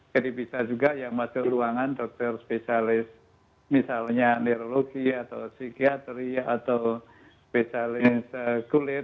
jadi bisa juga yang masuk ruangan dokter spesialis misalnya neurologi atau psikiateri atau spesialis kulit